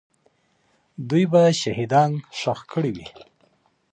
دوی به شهیدان ښخ کړي وي.